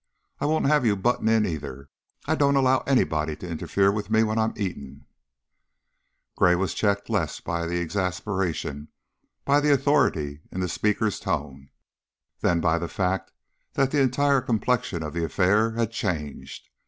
I won't have you buttin' in, either. I don't allow anybody to interfere with me when I'm eating." Gray was checked less by the exasperation, by the authority in the speaker's tone, than by the fact that the entire complexion of the affair had changed.